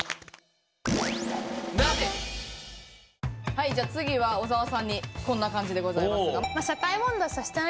はいじゃあ次は小澤さんにこんな感じでございますが。